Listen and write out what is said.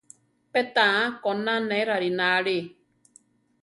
Pé taá koná ne rarináli.